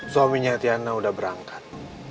suaminya tiana udah berangkat